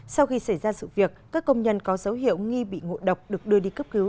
sau khi xảy ra sự việc các công nhân có dấu hiệu nghi bị ngộ độc được đưa đi cấp cứu